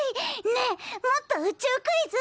ねえもっと宇宙クイズ！